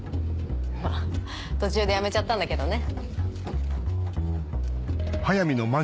まぁ途中でやめちゃったんだけどね。